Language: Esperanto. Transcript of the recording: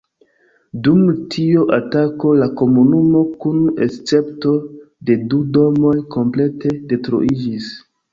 Dum tio atako la komunumo kun escepto de du domoj komplete detruiĝis.